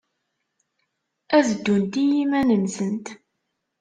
Ad ddunt i yiman-nsent.